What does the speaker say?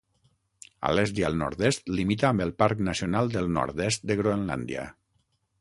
A l'est i al nord-est limita amb el Parc Nacional del Nord-est de Groenlàndia.